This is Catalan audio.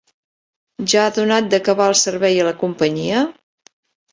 Ja ha donat d'acabar el servei a la companyia?